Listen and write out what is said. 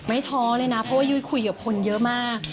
ท้อเลยนะเพราะว่ายุ้ยคุยกับคนเยอะมาก